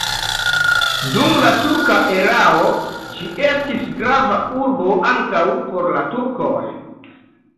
Dum la turka erao ĝi estis grava urbo ankaŭ por la turkoj.